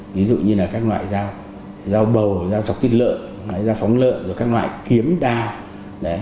ví dụ như là các loại dao bầu dao trọc tiết lợn dao phóng lợn các loại kiếm đao